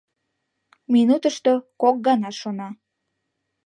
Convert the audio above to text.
Минутышто кок гана шона.